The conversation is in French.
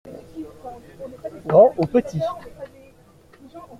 Grand ou petit.